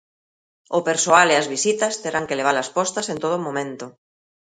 O persoal e as visitas terán que levalas postas en todo momento.